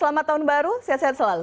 selamat tahun baru sehat sehat selalu